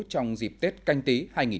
trong dịp tết canh tí hai nghìn hai mươi